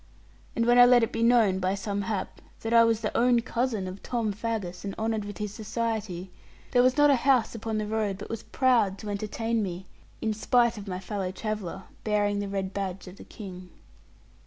And when I let it be known, by some hap, that I was the own cousin of Tom Faggus, and honoured with his society, there was not a house upon the road but was proud to entertain me, in spite of my fellow traveller, bearing the red badge of the King.